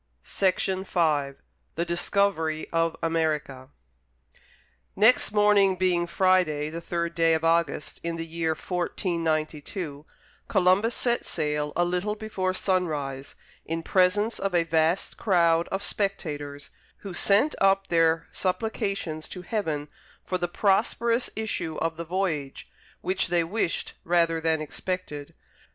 Charles Mackay THE DISCOVERY OF AMERICA Next morning, being Friday the third day of August, in the year 1492, Columbus set sail, a little before sunrise, in presence of a vast crowd of spectators, who sent up their supplications to Heaven for the prosperous issue of the voyage, which they wished rather than expected.